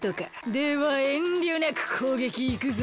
ではえんりょなくこうげきいくぞ！